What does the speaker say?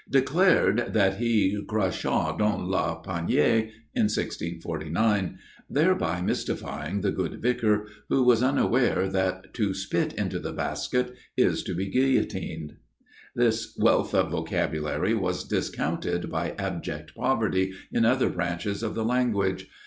declared that he cracha dans le panier in 1649, thereby mystifying the good vicar, who was unaware that "to spit into the basket" is to be guillotined. This wealth of vocabulary was discounted by abject poverty in other branches of the language.